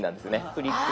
フリック。